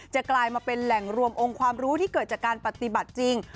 กลายมาเป็นแหล่งรวมองค์ความรู้ที่เกิดจากการปฏิบัติจริง